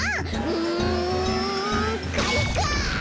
うんかいか！